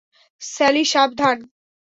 Sally, সাবধান!